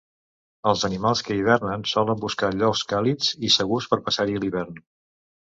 Els animals que hibernen solen buscar llocs càlids i segurs per passar-hi l'hivern.